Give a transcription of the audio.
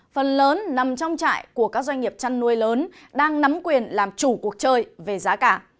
phần lớn nằm trong trại của các doanh nghiệp chăn nuôi lớn đang nắm quyền làm chủ cuộc chơi về giá cả